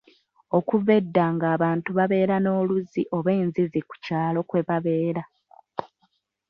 Okuva edda ng'abantu babeera n'oluzzi oba enzizi ku kyalo kwe babeera.